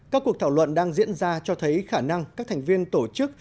các cuộc thảo luận đang diễn ra cho thấy khả năng các thành viên tổ chức